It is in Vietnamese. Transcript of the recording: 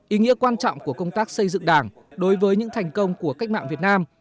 ý nghĩa quan trọng của công tác xây dựng đảng đối với những thành công của cách mạng việt nam